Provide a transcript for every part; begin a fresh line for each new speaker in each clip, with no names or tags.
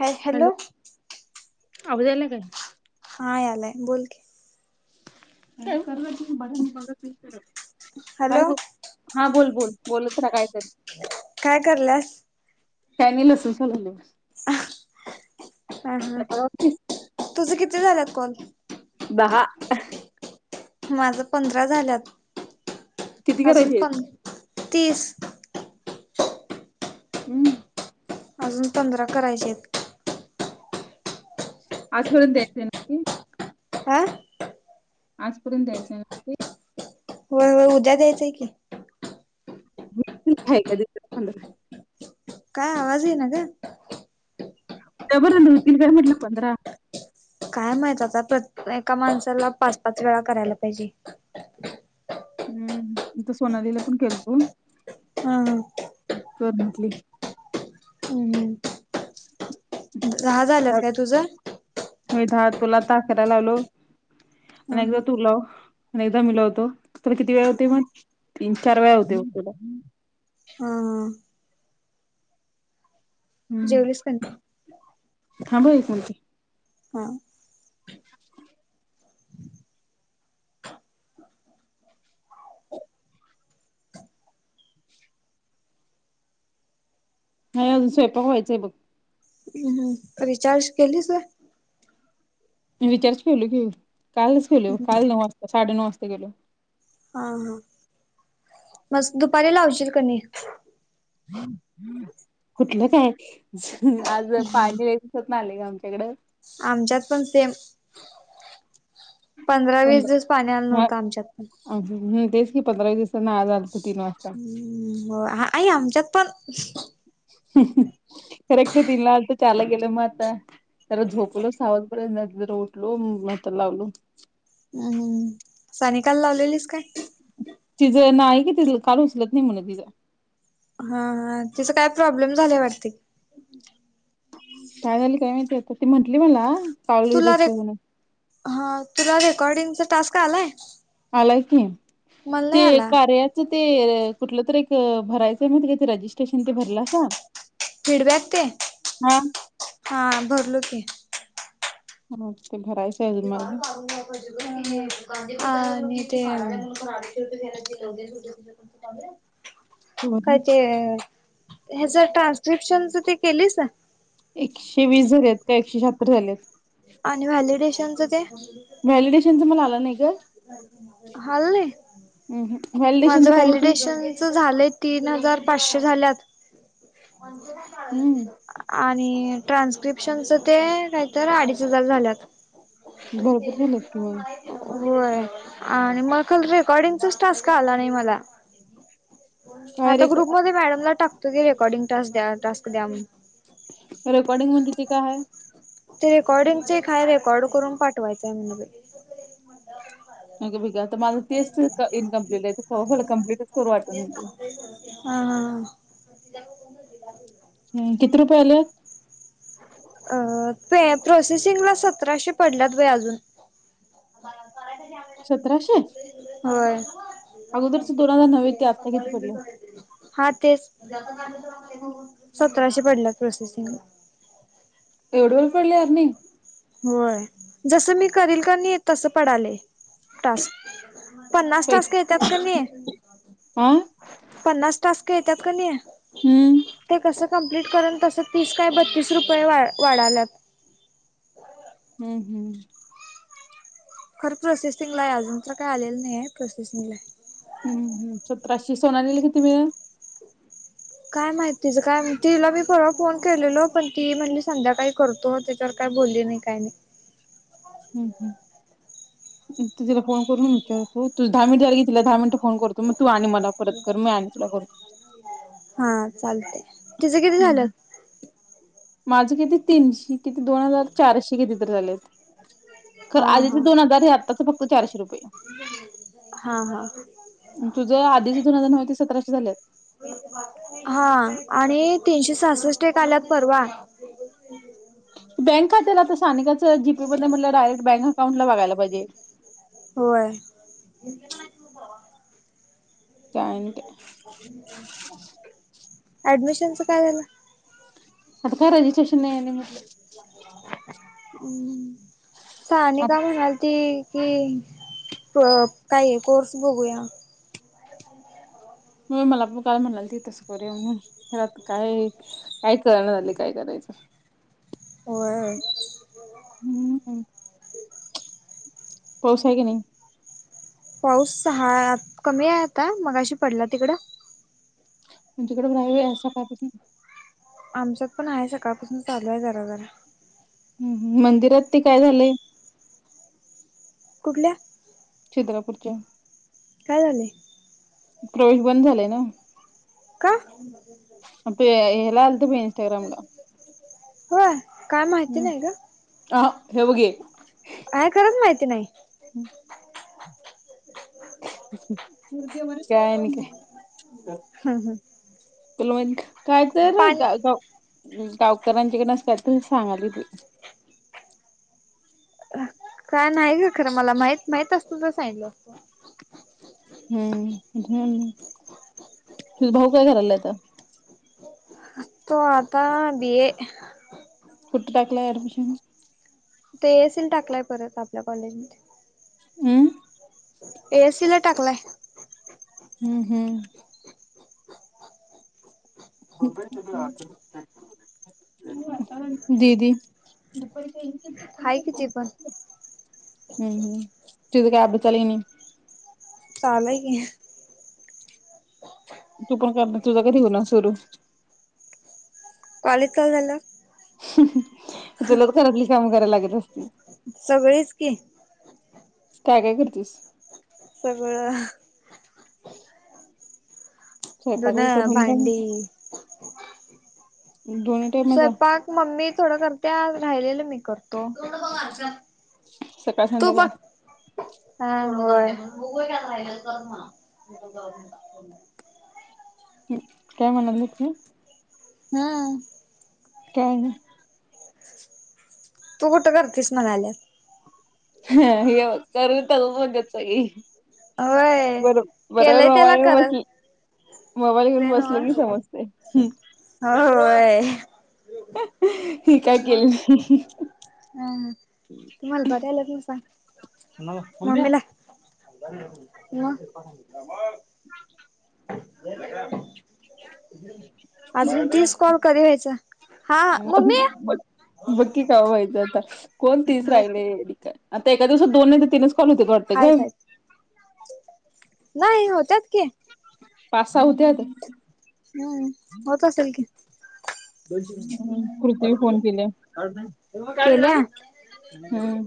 ह हॅलो
आवरायला नाही काय आजून
हा यालाय बोल कि
का कर त मगा म बघ
हॅलो
काय ब हा बोल बोल बोलत रा काय
काय कराल्यास
काय नाही लसूण सोलालोय
हा ह
सोलालोय.
तुझं किती झाल्यात कॉल
बहाा
माझ पंधरा झाल्यात
किती
अजून
करायचे
पं
आहेत?
तीस
हम्म
अजून पंधरा करायचे आहेत
आजपर्यंत द्यायचं आहे ना
आं
आजपर्यंत द्यायचं हाय
होय होय उद्या द्यायच की
हग अ
काय आवाज ये ना ग
का बर दोन तीन वेळा म्हटल चंद्रा
काय माहित आता एका माणसाला पाच पाच वेळा करायला पाहिजे
हम्म मी तर सोनालीला पण केलतो
हा
कर म्हटली
हम्म [unintelligible]
मी दहा तुला आता अकरा लावलो
ह
आणि एकदा तु लाव आणि एकदा मिलावतो त्याला किती वेळा होते मग तीन चार वेळा होतय मग तुला आता
हम
हम्म
जेवलीस का नाही
थांब आहे कोण
हम
[unintelligible] [unintelligible] नाही अजून स्वयंपाक व्हायचाय बघ
हम रिचार्ज केलीस
मी [inaudible] केेलो घेऊ कालच गेलो काल नऊ वाजता साडे नऊ वाजता गेलो
हा हा मस्त दुपारी लावचील कणी?
कुठलं काय आज पाणी [inaudible] आमच्याकड
आमच्यात पण सेम पंधरा वीस दिवस पाणी आलं नव्हतं आमच्यात पण
अाम तेच की पंधरावीस दिवसाना आज आलत तीन वाजता.
हम्म हो आई आमच्यात पण
हम्म हम्म करेक्ट तीनला आलत चारला गेलं मग आता परत जरा झोपलो सहवाजेपर्यंत आता जरा उठलो मग आता लावलो
हम्म्म सानिका ला लावलेलीस काय?
तिझं नाही कि तिज कॉल उचलत नाही म्हणून तिचं
हा हा तिच काय प्रॉब्लेम
काय झालं काय माहिती आता ती म्हंटली मला काल
तुला रे
रिसिव्ह म्हणून
हा तुला रेकॉर्डिंगचा टास्क आलाय?
आलाय की
मला
ते
नाही आला
कार्यात ते कुठलं तर एक भरायचं माहितिये का ते रजिस्ट्रेशन ते भरलासा
फीडबॅक ते
हा
हा भरलो की
ह ते भरायच
ते [inaudible] [unintelligible] [unintelligible]
भरून
काय ते ह्याच ट्रान्स्क्रिप्शनच ते केलीस
एकशे वीस झालेत काय एकशे शहात्तर झालेत
आणि व्हॅलिडेशनचं ते
व्हॅलिडेशनच मला आलं नाही ग
आलं नाही?
व्हलिडेशनचं काय आहे ते
च झालंय तीन हजार पाचशे झाल्यात
हम्म
आणि ट्रान्स्क्रिप्शनच ते काय तर अडीच हजार झाल्यात
भरपूर झाल्यात कि म
होय आणि मग खर रेकॉर्डिंगचाच टास्क आला नाही मला
काय रे
आता ग्रुप मध्ये मॅडमला टाकतो की रेकॉर्डिंग टास्क द्या टास्क द्या
रेकॉर्डिंग म्हणजे ति काय हाय?
ते रेकॉर्डिंगच काय रेकॉर्ड करून पाठवायचंय
अग बाई ग आता माझ तेच इनकम्प्लीट आहे कंप्लीटच करू वाटत ते
हा हा [unintelligible]
ह किती रुपयेले
अ ते प्रोसेसिंगला सतराशे पडल्यात बय अजू करायला
सतराशे
होय.
अगोदरच दो हजार नव ते आता किती पडले.
हा तेच सतराशे पडल्या प्रोसेसिंग
एवढं वेळ पडले यार नाही.
होय जस मी करील का नाही तस पडाले टास्क पन्नास तास
पैसे
घ येतात क नाही.
हा
पन्नास टास् येतात का नाही
हम्म
ते कस कंप्लीट कर तस. तीस काय बत्तीस रुपये वा वाढाल्यात.
हम्म हम्.
खरं प्रोसेसिंग ला आहे अजून तर काय आलेलं नाही आहे प्रोसेसिंगला
हम्म् सतराशे सोनलेला किती मळ
काय माहितीच काय तिला मी परवा फोन केलेल पण ती म्हणली संध्या काही करतो. सरकार बोलली नाही काही नाही.
हम्म हम्म. त तिला फोन करून विचार त दहा मिनिट झागे तिला दहा मिनट फोन करतो मग तू आणि मला करत कर मी कर.
हा चालते तिचं किती झालं.
हम्म. माझं किती तीनश किती दोन हजार चारशे किती तर झालेत. ख
हा
आधीचे
हा
दोन हजार हे आत्ताच फक्त चारशे रुपये
हा हा
तुझं आधीच दोन हजार नऊ ते सतराशे झालेत.
हा आणि तीनशे सासष्ट आल्यात परवा
बँक खात्याला तर स्थानिकाचं जीपे मध्येट डायरेक्ट बँक अकाउंटला बघायला पाहिजे.
होय.
[unintelligible]
ऍडमिशनच काय झालं?
आत्ता काय रेजिस्ट्रेशन नाही आणि मग.
हम्म. सानिका म्हणालती की काय कोर्स बघूया.
होय मला पण काल म्हणालती तसं करूया म्हणून खरं आत्ता काय? काय कळंना झालंय काय करायच.
होय.
हम्म पाऊस आहे की नाही.
पाऊस सहा कमी आहे आता मगाशी पडला तिकडं
आमच्याकडे नाहीये सकाळपासन
आमच्यात पण आहे सकाळपासून चालू आहे. जरा जरा
हम्म हम्म मंदिरात ते काय झालंय.
कुठल्या?
छद्रापूरच्या
काय झाले.
प्रवेश बंद झालाय ना.
का
ते ह्याला आलंत बघ इंस्टाग्रामला
होय काय माहिती नाही ग
[unintelligible]
आहे खरंच माहिती नाही.
काय आणि काय?
हं हं. पाणी
[unintelligible] डॉक्टरांच्याकडनं काय तरी असं सांगालती.
काय नाही का खरं मला माहित माहित असत तर सांगितल असतं
हम्म हम् तुझा भाऊ काय करायलाय आता
तो आता बीए
कुठं टाकलाय ऍडमिशन?
ते सील [unintelligible] टाकलाय परत आपल्या कॉलेजमध्ये
हम्
एएससीला टाकलाय
हम्म हम्म [unintelligible] दीदी
हाय की ती पण
हम् हम् तुझं काय अजूक चालूय अणि
चालूय की
तू पण करणार तुझ कधी होणार सुरू
कॉलेज चालू झालं
तुलाच घरातली काम करायला लागत असतील.
सगळेच की
काय काय करतीस?
सगळं.
स्वयंपाक
धून,
बियपाक दोन्ही टाईम
भांडी
दोन्ही टाईमचा
स्वयंपाक मम्मी थोड करते. राहिलेलं मी करतो.
सकाळ
तू
संध्याकाळ
बघ हा होय
ह् काय म्हणाल्या ती
हम्
काय गं
तू कुठं करतीस म्हणाल्या?
ह हे करु तव्हा बघत सगळी
होय
वरून बरोबर
केलंय त्याला
मोबाईल वर
करत
बसली मोबाईल घेऊन बसले की समजते.
हो होय.
हे काय
मग
केलं
हा तुम्हाला बरं [unintelligible] म [unintelligible] सांग मम्मीला म अ [unintelligible] अजून तीस कॉल कधी व्हायचं? हा, मम्मी-
बघ बघ की व्हायचं आता कोण तीच
बघ की
राहिलेय आता एका दिवसात दोन नाही तीनच कॉल होतील वाटतं
हायत
गं
हायत नाही होत्यात की
पाच सहा होते आता
हम्म होत असलं की
हम् कृती फोन केल्या.
केला
हम्म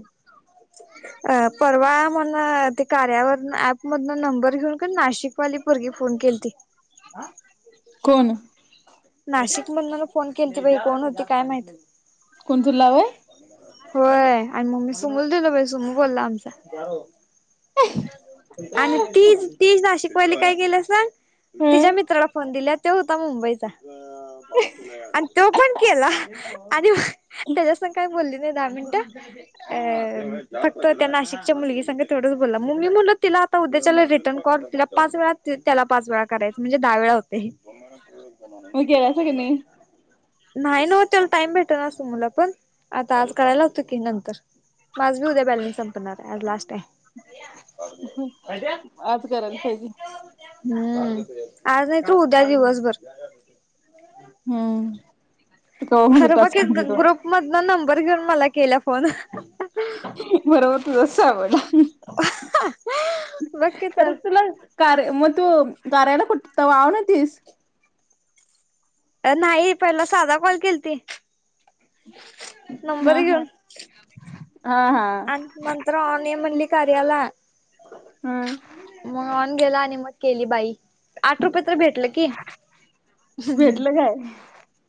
अ परवा म्हण ते कार्यावरण ऍपमधन नंबर घेऊन की ना नाशिक वाली पोरगी फोन केलती.
कोण?
नाशिक मधून फोन केली बाई कोण होती काय माहित?
कोण तुला वय?
होय, आणि मम्मी सुमूला दिलो बा सुमू बोलला आमचा. आणि ती ती नाशिकवाली काय केल्या सांग. तिच्या
हं
मित्राला फोन दिला. तो होता मुंबईचा. [inaudible] आणि तो पण केला आणि त्याच्यासून काय बोलले? दहा मिनिटं अ फक्त त्या नाशिकच्या मुलगी संग थोडच बोलला, मग मि म्हणालो तिला आता उद्याच्याला रिटर्न कॉल, तिला पाच वेळा त्याला पाच वेळा करायच म्हणजे दहा वेळा होतय.
मग केलास का नाही?
नाही ना त्याला टाइम भेटत न असतो मुला पण आता आज करायला लावतो की नंतर माजाबी उद्या बॅलेन्स संपणार हाय आज लास्ट हाय. अजा
आज करायला पाहिजे.
हम्म आज नाही तर उद्या दिवसभर
हम्म ते क
खरं बघ
टस [inaudible]
की ग्रुप मधन नंबर घेऊन मला केला फोन.
बरोबर तुझ आवला
बघ की तर
खरंच तुला [unintelligible] कार मग तू गार्याला कुठ तव ना तस [unintelligible]
नाही पहिला साधा कॉल केलती. नंबर
हा हा हा हा.
आमंत्रण आहे म्हणली कार्याला
हम्.
मग ऑन गेला आणि मग केली बाई आठ रुपये तर भेटले. हम्.
भेटलं काय?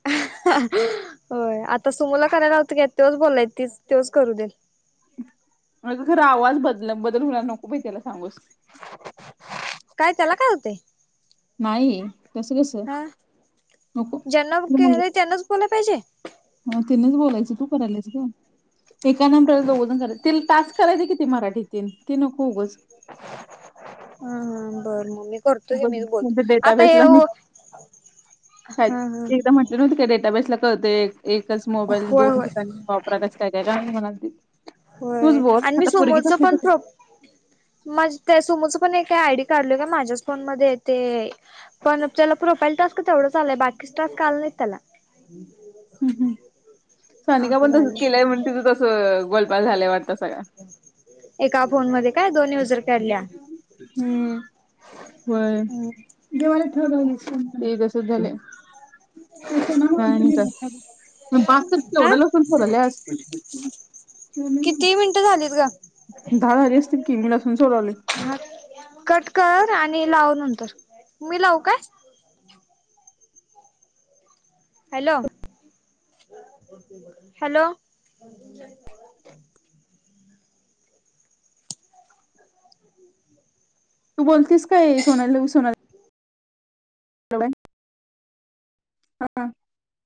होय आता सुमुला करायला लावत की, तेच बोलाय तीच तेच करू दे
मजा खर आवाज बदल बदल होणार नको बाई त्याला सांगूस
काय त्याला काय होतेय
नाही तस कस
हा
नको
ज्यांना
त
केलंय [unintelligible] पाहिजे.
ह तिनेच बोलायचं तू करायलासच ग एका नंतर दोघंजण करा तला टास्क करायच किती मराठीत ती नकोगच
हा हा बरं मम्मी करतो हे
उगच
मी बोलतो
कोणत्या
आता हे
डेटाबेसला मी
ह
काय
ह.
[unintelligible] काय डेटाबेस ला कळतय एकच मोबाईल
होय
दोन
होय
ठिकाणी वापरातच काय का म्हणा? तूच
होय
बोल
आणि मी
आता पुरगीच
समोरचं
[unintelligible]
पण प्रो माझ त्या सुमोचं पण एक आयडी काढल का माझ्याच फोन मध्ये ते पण त्याला प्रोफाईल टास्क तेवढंच आलंय बाकीच टास्क आला नाही त्याला.
हम हम सानिका
असं
पण
झालं
तसच केलंय म्हणून तुझं तस गोलमाल झालंय वाटत सगळा
एका फोन मध्ये काय दोन युजर काढल्या
हम्म. होय! जे मला [unintelligible] झालंय. [inaudible]
हा
[inaudible]
किती मिनिटं झालीत गं?
दहा झाली असतील की मी लसून सोलायले.
हा कट कर आणि लाव नंतर मी लावू काय? Hello hello.
तू बोलतीस काय सोनाली सोना [inaudible] हा हा.